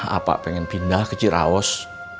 apa pengen pindah ke ciraos